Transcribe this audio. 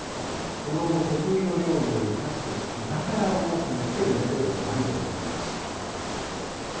その後、得意の料理を生かして、居酒屋をオープンして店を繁盛させました。